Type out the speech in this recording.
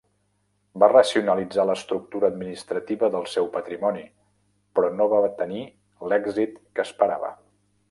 Va racionalitzar l'estructura administrativa del seu patrimoni però no va tenir l'èxit que esperava.